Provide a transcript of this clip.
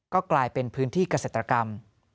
ก็กลายเป็นพื้นที่เกษตรกรรม